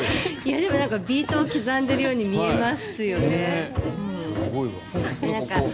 でもビートは刻んでいるように見えますよね。